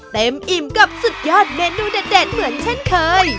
อิ่มกับสุดยอดเมนูเด็ดเหมือนเช่นเคย